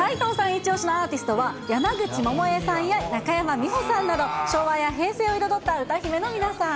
一押しのアーティストは山口百恵さんや中山美穂さんなど、昭和や平成を彩った歌姫の皆さん。